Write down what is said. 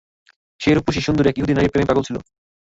সে রূপসী সুন্দরী এক ইহুদী নারীর প্রেমে পাগল ছিল।